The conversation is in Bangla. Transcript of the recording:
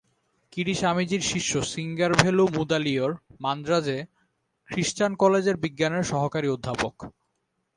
কিডি স্বামীজীর শিষ্য সিঙ্গারভেলু মুদালিয়র, মান্দ্রাজে ক্রিশ্চান কলেজের বিজ্ঞানের সহকারী অধ্যাপক।